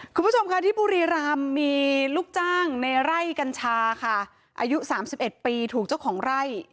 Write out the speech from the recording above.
คุณผู้ชมค่ะที่บุรีรำมีลูกจ้างในไร่กัญชาค่ะอายุสามสิบเอ็ดปีถูกเจ้าของไร่